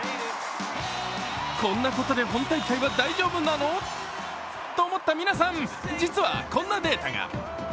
こんなことで本大会は大丈夫なの？と思った皆さん、実は、こんなデータが。